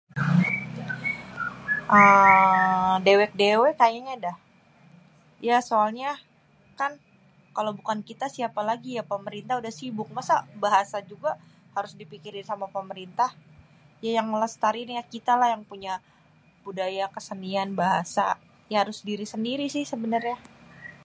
dewek-dewek kayanya dah, ya soalnya kan kalo bukan kita siapa lagi, ya pemerintah udah sibuk masa bahasa juga harus dipikirin sama pemerintah, yang lestariin ya kita lah yang punya budaya kesenian bahasa, ya harus diri sendiri sih sebenernya.